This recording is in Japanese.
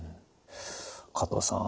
加藤さん